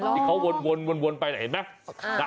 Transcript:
ที่เขาวนไปเห็นไหม